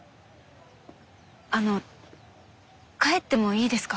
あの帰ってもいいですか？